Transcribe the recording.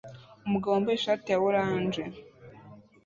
Umugabo wambaye ishati ya orange